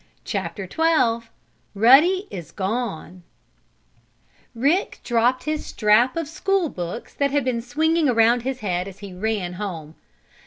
CHAPTER XII RUDDY IS GONE Rick dropped his strap of school books that had been swinging around his head as he ran home.